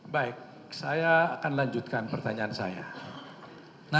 baik saya akan lanjutkan pertanyaan saya